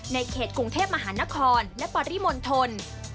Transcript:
ในเขตกรุงเทพมหานครณปริมนธน